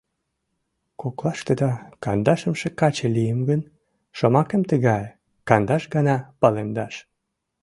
— Коклаштыда кандашымше каче лийым гын, шомакем тыгае: кандаш гана палемдаш.